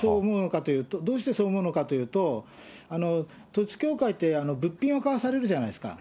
どうしてそう思うのかというと、統一教会って、物品を買わされるじゃないですか。